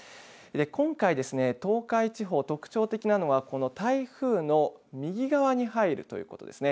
今回ですね東海地方、特徴的なのはこの台風の右側に入るということですね。